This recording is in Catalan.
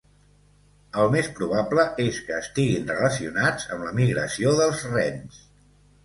El més probable és que estiguin relacionats amb la migració dels rens.